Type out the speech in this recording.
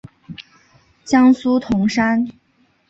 江苏铜山。